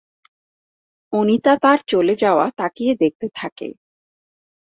অনিতা তার চলে যাওয়া তাকিয়ে দেখতে থাকে।